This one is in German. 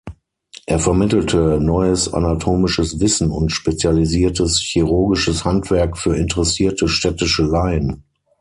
Er vermittelte neues anatomisches Wissen und spezialisiertes chirurgisches Handwerk für interessierte städtische Laien.